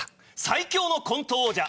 最強のコント王者